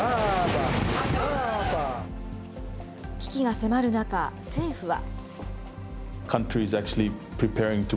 危機が迫る中、政府は。